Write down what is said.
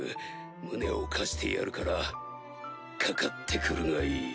胸を貸してやるからかかってくるがいい。